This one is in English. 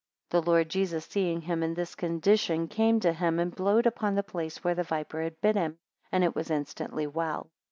3 The Lord Jesus seeing him in this condition, came to him, and blowed upon the place where the viper had bit him, and it was instantly well.